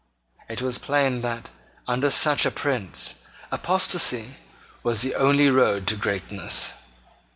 It was plain that, under such a prince, apostasy was the only road to greatness.